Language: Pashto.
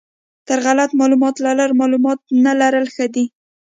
تر غلط معلومات لرل معلومات نه لرل ښه دي.